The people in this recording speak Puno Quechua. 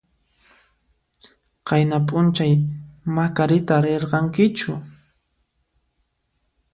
Qayna p'unchay Macarita rirankichu?